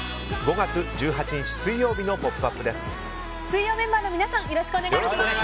５月１８日、水曜日の「ポップＵＰ！」です。